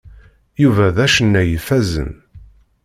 Yuba d acennay ifazen.